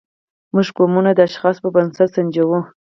موږ قومونه د اشخاصو پر بنسټ سنجوو.